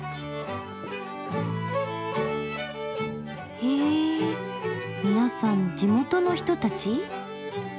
へぇ皆さん地元の人たち？